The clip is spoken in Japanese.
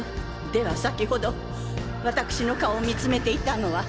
では先程わたくしの顔を見つめていたのは。